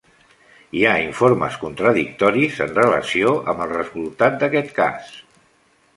Hi ha informes contradictoris en relació amb el resultat d'aquest cas.